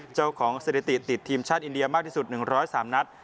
สถิติติดทีมชาติอินเดียมากที่สุด๑๐๓นัด